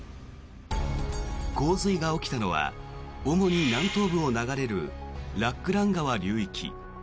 洪水が起きたのは主に南東部を流れるラックラン川流域。